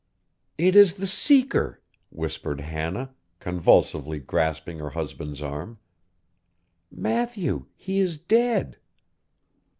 'It is the Seeker,' whispered Hannah, convulsively grasping her husband's arm. 'Matthew, he is dead.